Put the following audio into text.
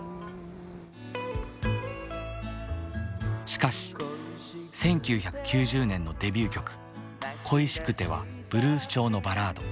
しかし１９９０年のデビュー曲「恋しくて」はブルース調のバラード。